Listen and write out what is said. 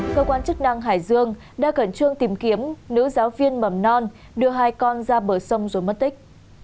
cơ quan chức năng hải dương đã cẩn trương tìm kiếm nữ giáo viên mầm non đưa hai con ra bờ sông rồi mất tích